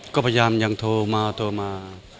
ก็พยายามยังโทรมาโทรมา